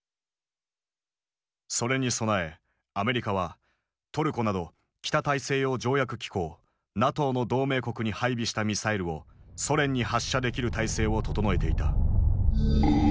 それに備えアメリカはトルコなど北大西洋条約機構ＮＡＴＯの同盟国に配備したミサイルをソ連に発射できる体制を整えていた。